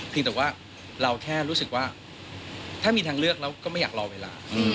แต่ว่าเราแค่รู้สึกว่าถ้ามีทางเลือกเราก็ไม่อยากรอเวลา